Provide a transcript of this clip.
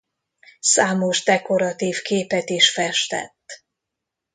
Számos dekoratív képet is festett.